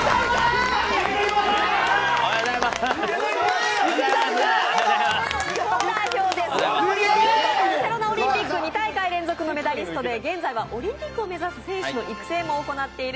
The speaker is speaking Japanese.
体操元日本代表で、ソウルとバルセロナオリンピック２大会連続のメダリスト、現在はオリンピックを目指す選手の育成も行っております。